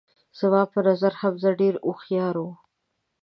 زما په نظر حمزه ډیر هوښیار وو